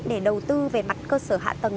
để đầu tư về mặt cơ sở hạ tầng